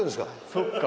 そっか。